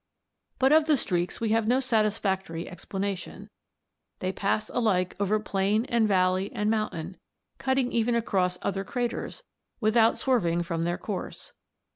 "But of the streaks we have no satisfactory explanation. They pass alike over plain and valley and mountain, cutting even across other craters without swerving from their course.